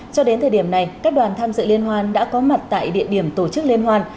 cho đến thời điểm này các đoàn tham dự liên hoan đã có mặt tại địa điểm tổ chức liên hoan